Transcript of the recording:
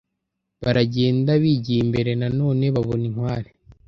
Baragenda bigiye imbere nanone babona inkware